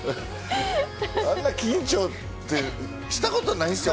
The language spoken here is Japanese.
あんな緊張したことないですよ